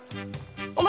お前